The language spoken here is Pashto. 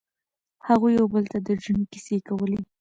هغوی یو بل ته د ژوند کیسې کولې.